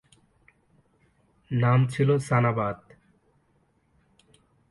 নাম ছিল সানাবাদ।